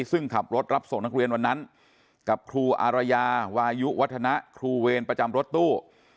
ซึ่งขับรถรับส่งนักเรียนวันนั้นกับครูอารยาวายุวัฒนะครูเวรประจำรถตู้